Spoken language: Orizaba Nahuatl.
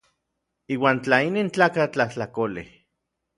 Iuan tla inin tlakatl tlajtlakolej.